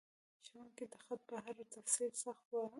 ښوونکي د خط په هر تفصیل سخت ول.